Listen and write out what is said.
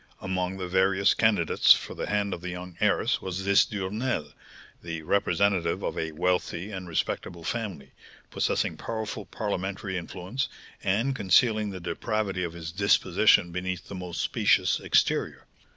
Among the various candidates for the hand of the young heiress was this Duresnel, the representative of a wealthy and respectable family, possessing powerful parliamentary influence, and concealing the depravity of his disposition beneath the most specious exterior.